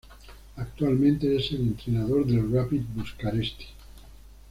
Actualmente es el entrenador de Rapid Bucureşti.